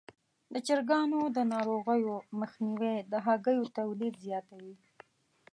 د چرګانو د ناروغیو مخنیوی د هګیو تولید زیاتوي.